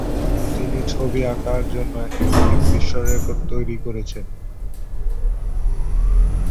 তিনি ছবি আঁকার জন্য একাধিক বিশ্বরেকর্ড তৈরী করেছেন।